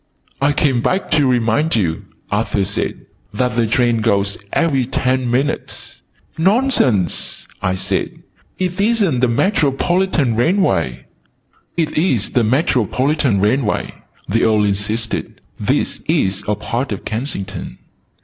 "I came back to remind you," Arthur said, "that the trains go every ten minutes " "Nonsense!" I said. "It isn't the Metropolitan Railway!" "It is the Metropolitan Railway," the Earl insisted. "'This is a part of Kensington."